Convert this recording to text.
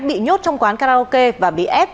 bị nhốt trong quán karaoke và bị ép